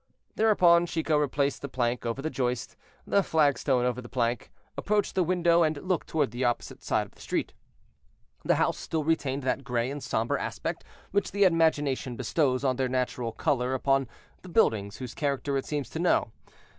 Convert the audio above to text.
Thereupon Chicot replaced the plank over the joist, the flagstone over the plank, approached the window, and looked toward the opposite side of the street. The house still retained that gray and somber aspect which the imagination bestows as their natural color upon buildings whose character it seems to know.